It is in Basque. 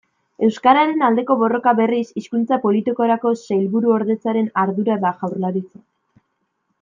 Euskararen aldeko borroka, berriz, Hizkuntza Politikarako Sailburuordetzaren ardura da Jaurlaritzan.